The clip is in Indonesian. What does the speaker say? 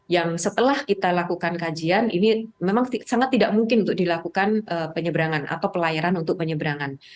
yang setelah kita lakukan kajian ini memang sangat tidak mungkin untuk dilakukan penyeberangan atau pelayaran untuk penyeberangan